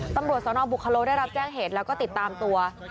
ตำรวจสนบุคโลได้รับแจ้งเหตุแล้วก็ติดตามตัว